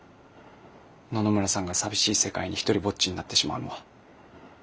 野々村さんが寂しい世界に独りぼっちになってしまうのは。